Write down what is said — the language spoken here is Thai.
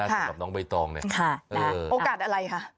สำหรับน้องใบตองเนี่ยโอกาสอะไรคะ